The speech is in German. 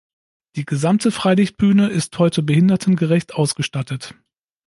Die gesamte Freilichtbühne ist heute behindertengerecht ausgestattet.